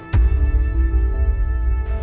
gak inget semuanya